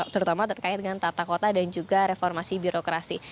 terutama terkait dengan tata kota dan juga reformasi birokrasi